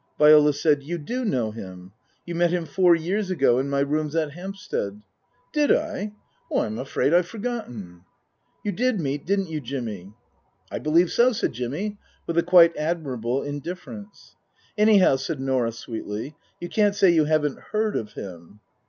Viola said, " You do know him. You met him four years ago in my rooms at Hampstead." " Did I ? I'm afraid I've forgotten." " You did meet, didn't you, Jimmy ?"" I believe so," said Jimmy, with a quite admirable indifference. " Anyhow," said Norah sweetly, " you can't say you haven't heard of him."